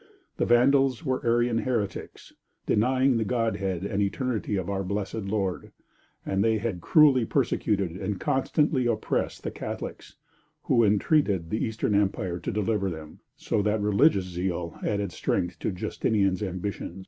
The Vandals were Arian heretics, denying the Godhead and Eternity of our Blessed Lord, and they had cruelly persecuted and constantly oppressed the Catholics, who entreated the Eastern Empire to deliver them, so that religious zeal added strength to Justinian's ambition.